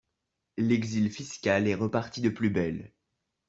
L’exil fiscal est reparti de plus belle.